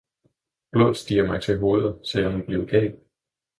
Blodet stiger mig til hovedet, så jeg må blive gal!